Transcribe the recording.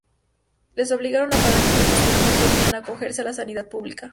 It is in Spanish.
Les obligaron a pagar impuestos, pero no podían acogerse a la sanidad pública.